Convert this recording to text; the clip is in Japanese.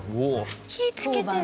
火つけてる。